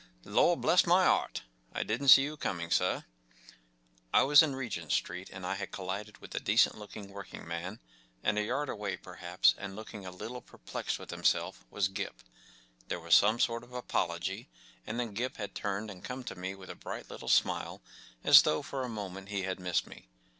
“ Lor’ bless my ’eart! I didn’t see you coming, sir! ” I was in Regent Street, and I had collided with a decent looking working man ; and a yard away, perhaps, and looking a little per¬ plexed with himself, was Gip. There was some sort of apology, and then Gip had turned and come to me with a bright little smile, as though for a moment he had missed me.